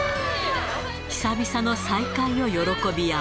久々の再会を喜び合う。